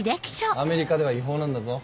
アメリカでは違法なんだぞ。